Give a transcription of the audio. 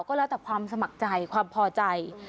ก็แล้วแต่ความสมัครใจความพอใจ